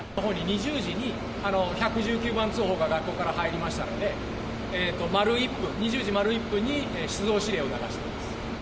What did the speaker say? ２０時に１１９番通報が学校から入りましたので、まる１分、２０時０１分に出動指令を流したんです。